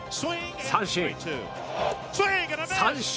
三振！